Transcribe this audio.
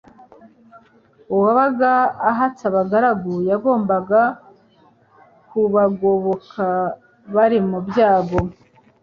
Uwabaga ahatse abagaragu yagombaga kubagoboka bari mu byago